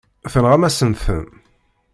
Tenɣam-asen-ten.